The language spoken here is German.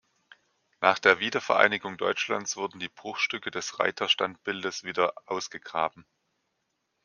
Nach der Wiedervereinigung Deutschlands wurden die Bruchstücke des Reiterstandbildes wieder ausgegraben.